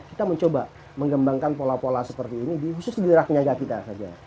kita mencoba mengembangkan pola pola seperti ini khusus di daerah penyangga kita saja